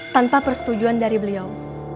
tanpa persetujuan dari beliau